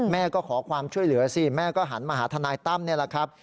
แม่ก็ขอความช่วยเหลือสิแม่ก็หันมาหาทนายตั้มนี่แหละครับ